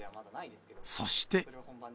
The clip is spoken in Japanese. そして。